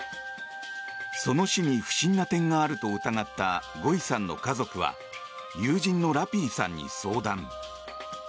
その死に不審な点があると疑ったゴイさんの家族は友人のラピーさんに相談。